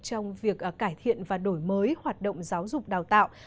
trong việc cải thiện và đổi mới hoạt động giáo dục đào tạo